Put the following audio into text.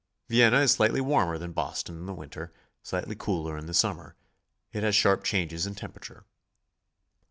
Vienna is slightly warmer than Boston in the winter, slightly cooler in the summer. It has sharp changes in tem perature.